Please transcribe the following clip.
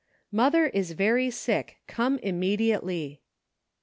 " Mother is very sick ; come immediately."